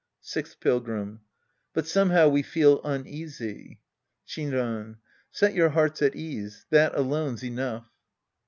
Sixth Pilgrim. But somehow we feel uneasy. Shinran. Set your hearts at ease. That alone's enough.